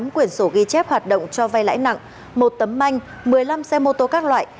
tám quyển sổ ghi chép hoạt động cho vay lãi nặng một tấm manh một mươi năm xe mô tô các loại